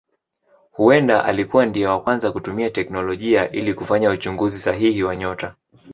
Huenda alikuwa ndiye wa kwanza kutumia teknolojia ili kufanya uchunguzi sahihi wa nyota.